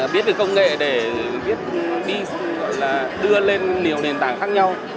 biết được công nghệ để đưa lên nhiều nền tảng khác nhau